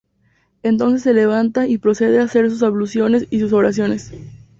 Entonces se levanta y procede a hacer sus abluciones y sus oraciones.